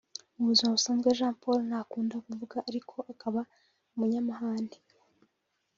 Mu buzima busanzwe Jean Paul ntakunda kuvuga ariko akaba umunyamahane